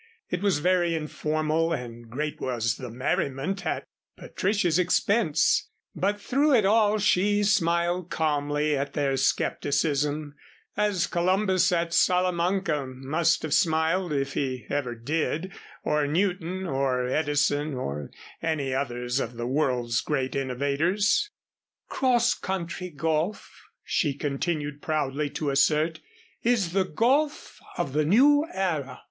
It was very informal and great was the merriment at Patricia's expense, but through it all she smiled calmly at their scepticism as Columbus at Salamanca must have smiled, if he ever did, or Newton or Edison, or any others of the world's great innovators. "Cross country golf," she continued proudly to assert, "is the golf of the New Era."